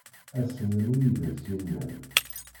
Ass-n anwi i d as-yennan.